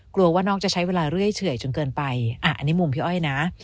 กลัวว่าน้องจะใช้เวลาเรื่อยเฉื่อยจนเกินไปอันนี้มุมพี่อ้อยนะ